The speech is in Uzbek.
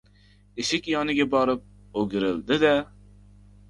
Eshik yoniga borib, o`girildi-da